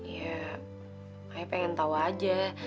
ya ayah pengen tau aja